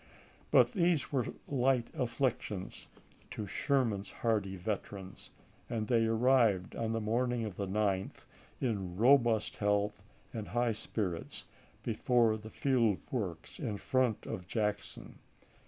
But these were light afflic tions to Sherman's hardy veterans, and they ar rived on the morning of the 9th, in robust health and high spirits, before the field works in front of Jackson.